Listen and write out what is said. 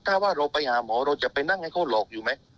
ถ้าว่าเราไปหาหมอเราจะไปนั่งให้เขาหลอกอยู่ไหม